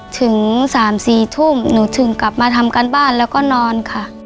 ถึง๓๔ทุ่มหนูถึงกลับมาทำการบ้านแล้วก็นอนค่ะ